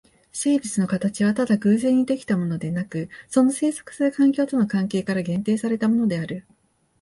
生物の形はただ偶然に出来たものでなく、その棲息する環境との関係から限定されたものである。